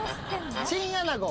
チンアナゴ。